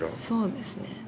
そうですね。